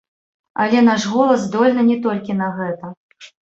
Але наш голас здольны не толькі на гэта.